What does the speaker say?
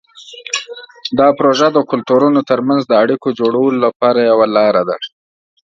دا پروژه د کلتورونو ترمنځ د اړیکو جوړولو لپاره یوه لاره ده.